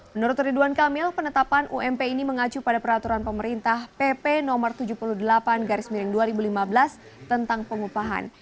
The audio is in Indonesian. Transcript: menurut ridwan kamil penetapan ump ini mengacu pada peraturan pemerintah pp no tujuh puluh delapan garis miring dua ribu lima belas tentang pengupahan